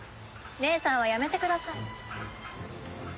「姉さん」はやめてください。